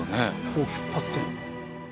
こう引っ張って。